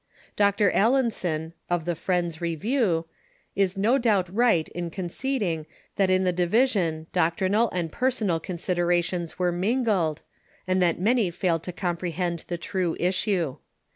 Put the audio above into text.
Mr. Allinson, of the Friends' Jievieio, is no doubt right in conceding that in the division doctrinal and personal considerations were mingled, and that many failed to comprehend the true issue.